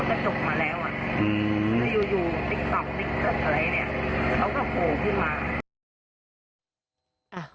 ก็จบมาแล้วอ่ะแล้วอยู่อยู่ติ๊กต๊อกติ๊กต๊อกอะไรเนี่ยเขาก็โผล่ขึ้นมา